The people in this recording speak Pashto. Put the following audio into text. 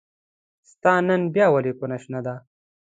ستا نن بيا ولې کونه شنه ده